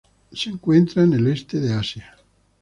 Se encuentra en el este de Asia.